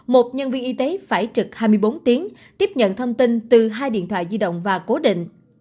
một nhân viên y tế phải trực hai mươi bốn tiếng tiếp nhận thông tin từ hai điện thoại di động và cố định